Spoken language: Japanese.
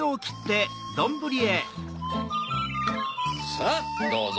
さぁどうぞ。